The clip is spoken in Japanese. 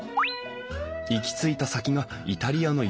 行き着いた先がイタリアの有機農家。